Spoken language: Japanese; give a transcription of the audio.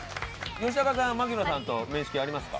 吉高さんは槙野さんと面識はありますか？